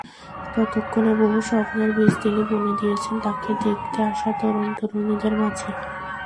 ততক্ষণে বহু স্বপ্নের বীজ তিনি বুনে দিয়েছেন তাঁকে দেখতে আসা তরুণ-তরুণীদের মাঝে।